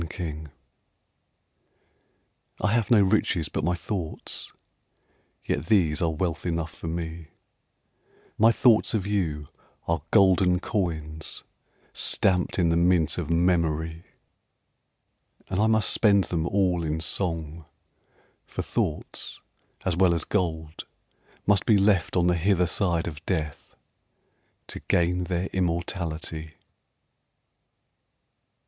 Riches I have no riches but my thoughts, Yet these are wealth enough for me; My thoughts of you are golden coins Stamped in the mint of memory; And I must spend them all in song, For thoughts, as well as gold, must be Left on the hither side of death To gain their immortality.